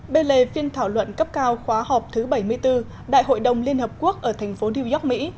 bê lề phiên thảo luận cấp cao khóa họp thứ bảy mươi bốn đại hội đồng liên hợp quốc ở thành phố new york mỹ